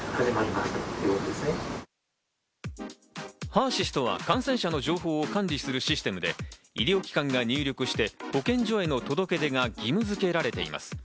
ハーシスとは感染者の情報を管理するシステムで、医療機関が入力して保健所への届け出が義務づけられています。